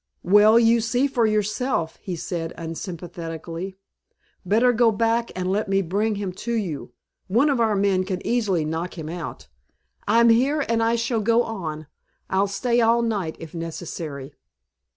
"Well, you see for yourself," he said unsympathetically. "Better go back and let me bring him to you. One of our men can easily knock him out " "I'm here and I shall go on. I'll stay all night if necessary."